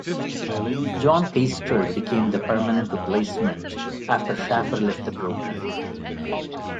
John Keister became the permanent replacement after Shafer left the program.